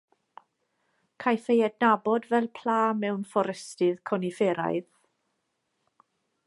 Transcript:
Caiff ei adnabod fel pla mewn fforestydd conifferaidd.